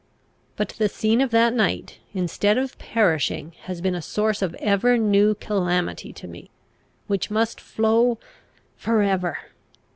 But the scene of that night, instead of perishing, has been a source of ever new calamity to me, which must flow for ever!